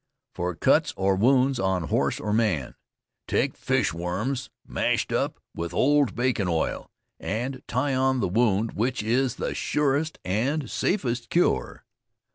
FOR CUTS OR WOUNDS ON HORSE OR MAN. Take fishworms mashed up with old bacon oil, and tie on the wound, which is the surest and safest cure.